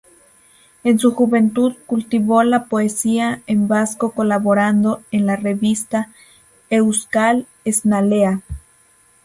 En su juventud cultivó la poesía en vasco colaborando en la revista "Euskal-Esnalea".